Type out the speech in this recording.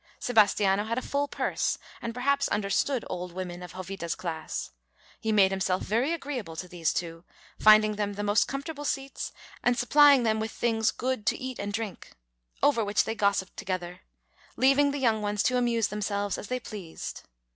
Sebastiano had a full purse, and perhaps understood old women of Jovita's class. He made himself very agreeable to these two, finding them the most comfortable seats and supplying them with things good to eat and drink, over which they gossiped together, leaving the young ones to amuse themselves as they pleased.